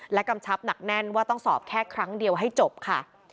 กำชับหนักแน่นว่าต้องสอบแค่ครั้งเดียวให้จบค่ะ